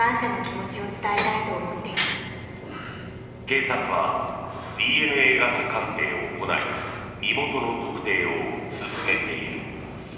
警察はＤＮＡ型鑑定を行い身元の特定を進めている。